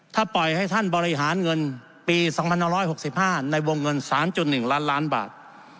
ถ้าปล่อยให้ท่านบริหารเงินปี๒๑๖๕ในวงเงิน๓๑ล้านล้านบาท